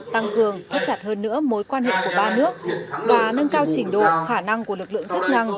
tăng cường thắt chặt hơn nữa mối quan hệ của ba nước và nâng cao trình độ khả năng của lực lượng chức năng